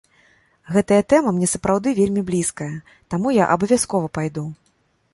Гэтая тэма мне сапраўды вельмі блізкая, таму я абавязкова пайду.